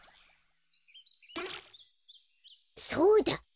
そうだ！